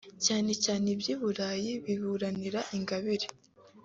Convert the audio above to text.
cyane cyane iby’i Burayi biburanira Ingabire